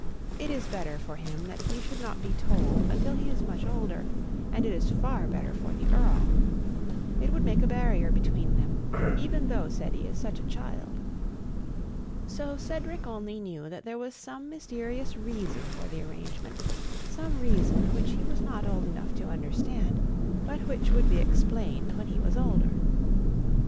It is better for him that he should not be told until he is much older, and it is far better for the Earl. It would make a barrier between them, even though Ceddie is such a child." So Cedric only knew that there was some mysterious reason for the arrangement, some reason which he was not old enough to understand, but which would be explained when he was older.